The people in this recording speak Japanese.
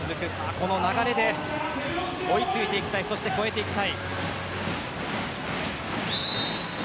この流れで追い付いていきたいそして越えていきたい。